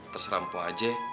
terserah mpok aja